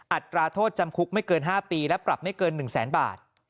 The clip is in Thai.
อัตราโทษจำคุกไม่เกิน๕ปีและปรับไม่เกิน๑แสนบาท